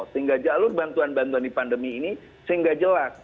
sehingga jalur bantuan bantuan di pandemi ini sehingga jelek